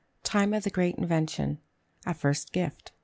Time of the Great Invention. A First Gift.